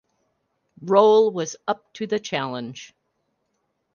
Roll was up to the challenge.